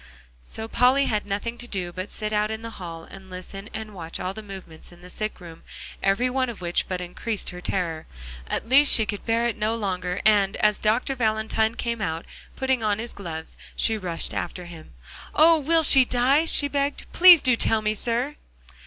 So Polly had nothing to do but to sit out in the hall, and listen and watch all the movements in the sick room, every one of which but increased her terror. At least she could bear it no longer, and as Dr. Valentine came out, putting on his gloves, she rushed after him. "Oh! will she die?" she begged; "please do tell me, sir?"